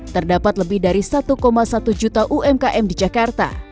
terdapat lebih dari satu satu juta umkm di jakarta